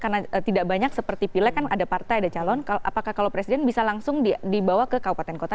karena tidak banyak seperti pilih kan ada partai ada calon apakah kalau presiden bisa langsung dibawa ke kabupaten kota